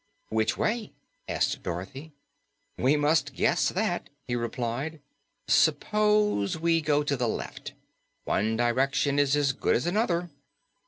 "Which way?" asked Dorothy. "We must guess that," he replied. "Suppose we go to the left. One direction is as good as another."